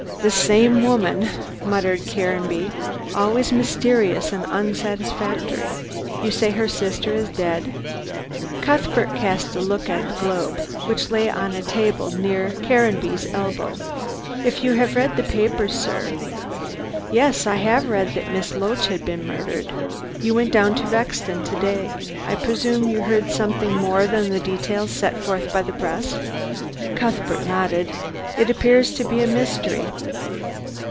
"The same woman," muttered Caranby, "always mysterious and unsatisfactory. You say her sister is dead?" Cuthbert cast a look at the Globe, which lay on a small table near Caranby's elbow. "If you have read the papers, sir " "Yes! I have read that Miss Loach has been murdered. You went down to Rexton to day. I presume you heard something more than the details set forth by the press." Cuthbert nodded. "It appears to be a mystery."